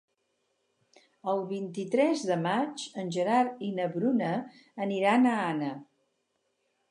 El vint-i-tres de maig en Gerard i na Bruna iran a Anna.